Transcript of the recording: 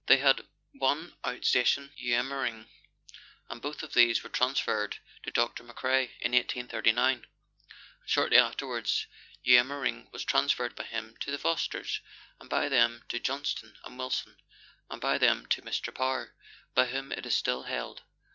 They had one out station, Eumemmering, and both of these were transferred to Dr. McCrae in 1839; and shortly afterwards Eumemmering was transferred by him to the Fosters, and by them to Johnstone and Wilson, and by them to Mr. Power, by whom it is still held.